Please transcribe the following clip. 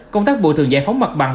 công tác bùa thường giải phóng mặt bằng